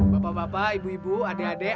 bapak bapak ibu ibu adik adik